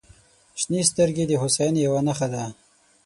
• شنې سترګې د هوساینې یوه نښه ده.